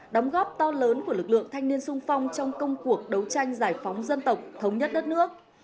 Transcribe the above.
đóng góp to lớn của lực lượng thanh niên sung phong trong công cuộc đấu tranh giải phóng dân tộc thống nhất đất nước